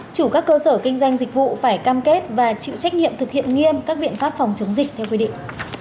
chủ các cơ sở kinh doanh dịch vụ phải cam kết và chịu trách nhiệm thực hiện nghiêm các biện pháp phòng chống dịch theo quy định